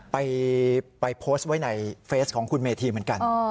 ไปโพสต์ไว้ในเฟสของคุณเมธีเหมือนกัน